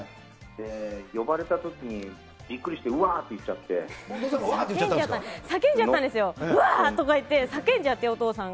呼ばれたときに、びっくりして、お父さんがうわーって言っち叫んじゃったんですよ、うわーとかいって、叫んじゃって、お父さんが。